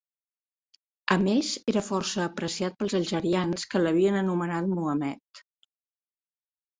A més era força apreciat pels algerians que l'havien anomenat Mohammed.